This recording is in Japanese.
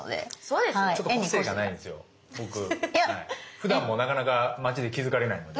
ふだんもなかなか街で気付かれないので。